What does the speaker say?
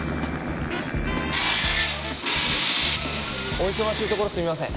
お忙しいところすみません。